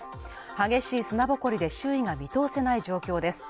激しい砂埃で周囲が見通せない状況です。